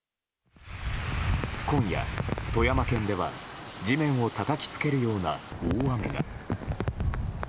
今夜、富山県では地面をたたきつけるような大雨が。